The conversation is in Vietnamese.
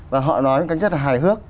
và họ nói cái rất là hài hước